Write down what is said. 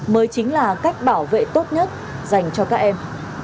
mới chính là cách bảo vệ tốt nhất dành cho các em